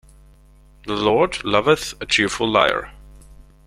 The Lord loveth a cheerful liar.